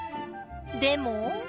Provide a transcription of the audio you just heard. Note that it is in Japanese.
でも。